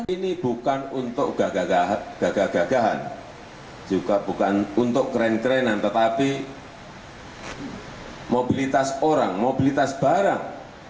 ini bukan untuk gagah gagahan juga bukan untuk keren kerenan tetapi mobilitas orang mobilitas barang